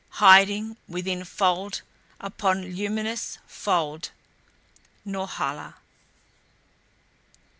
Hiding within fold upon luminous fold Norhala!